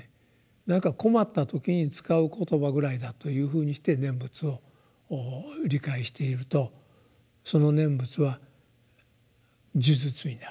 「何か困った時に使う言葉ぐらいだ」というふうにして「念仏」を理解しているとその「念仏」は「呪術」になると。